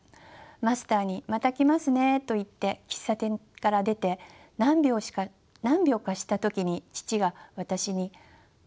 マスターにまた来ますねと言って喫茶店から出て何秒かした時に父が私に「あれ？